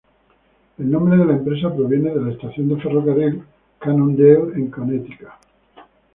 El nombre de la empresa proviene de la estación de ferrocarril Cannondale en Connecticut.